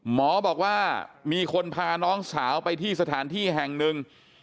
หมอบอกว่ามีคนพาน้องสาวไปที่สถานที่แห่งหนึ่ง